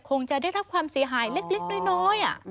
คงจะได้รับความเสียหายเล็กน้อย